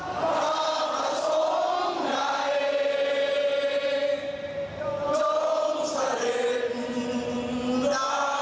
หวังวันหาเดือดไทยหลุดจากเท่าไหวไทยไทยโยธ